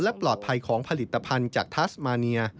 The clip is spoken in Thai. และปลอดภัยของผลิตภัณฑ์จากทัสมาเนีย